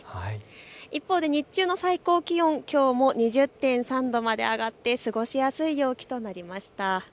一方で日中の最高気温、きょうも２０．３度まで上がって過ごしやすい陽気となりました。